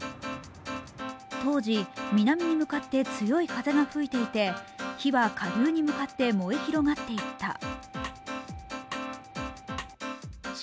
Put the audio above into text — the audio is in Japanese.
当時、南に向かって強い風が吹いていて火は下流に向かって燃え広がっていった。